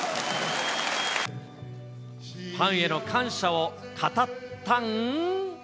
ファンへの感謝を語ったん。